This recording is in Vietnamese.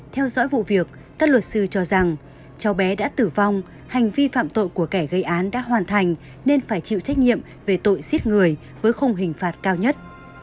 theo dõi vụ việc các luật sư cho rằng cháu bé đã tử vong hành vi phạm tội của kẻ gây án đã hoàn thành nên phải chịu trách nhiệm về tội giết người với khung hình phạt cao nhất